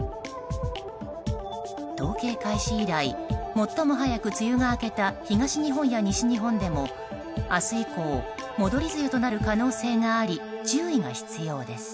統計開始以来、最も早く梅雨が明けた東日本や西日本でも明日以降、戻り梅雨となる可能性があり、注意が必要です。